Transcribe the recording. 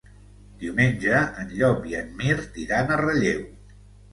Diumenge en Llop i en Mirt iran a Relleu.